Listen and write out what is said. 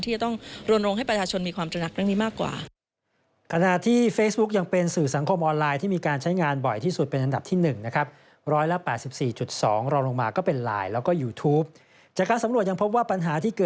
เราต้องรวนรวงให้ประธาชนมีความจำนัก